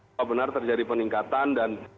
apa benar terjadi peningkatan dan